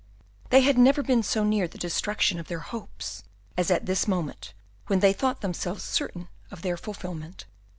They had never been so near the destruction of their hopes as at this moment, when they thought themselves certain of their fulfilment.